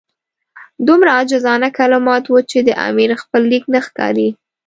دومره عاجزانه کلمات وو چې د امیر خپل لیک نه ښکاري.